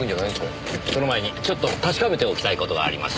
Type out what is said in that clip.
その前にちょっと確かめておきたい事があります。